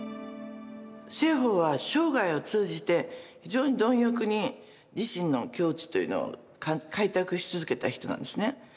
栖鳳は生涯を通じて非常に貪欲に自身の境地というのを開拓し続けた人なんですね。